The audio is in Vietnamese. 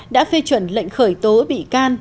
đã phê chuẩn lệnh khởi tố bị can